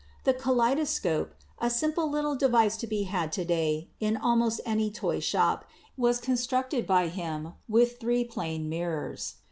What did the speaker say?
The kaleidoscope, a simple little device to be had to day in almost any toy shop, was constructed by him with three plane mirrors.